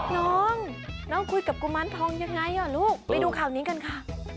น้องน้องคุยกับกุมารทองยังไงอ่ะลูกไปดูข่าวนี้กันค่ะ